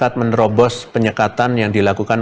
saat menerobos penyekatan yang dilakukan